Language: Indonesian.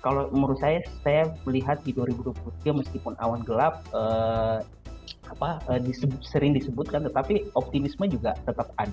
kalau menurut saya saya melihat di dua ribu dua puluh tiga meskipun awan gelap sering disebutkan tetapi optimisme juga tetap ada